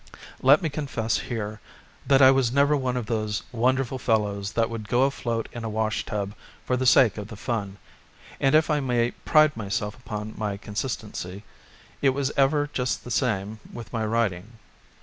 Let me confess here that I was never one of those wonderful fellows that would go afloat in a wash tub for the sake of the fun, and if I may pride myself upon my consistency, it was ever just the same with my writing.